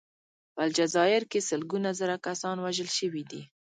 په الجزایر کې سلګونه زره کسان وژل شوي دي.